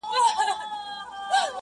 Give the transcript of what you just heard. • چي شال يې لوند سي د شړۍ مهتاجه سينه ـ